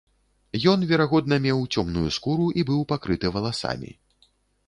Ён, верагодна, меў цёмную скуру і быў пакрыты валасамі.